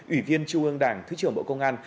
ủy viên trung ương đảng thứ trưởng bộ công an